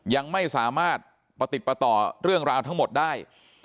ยังไม่สามารถประติดประต่อเรื่องราวทั้งหมดได้